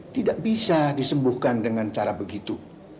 tidak bisa disembuhkan dengan cara begitu